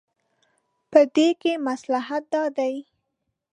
په دې کې مصلحت دا دی.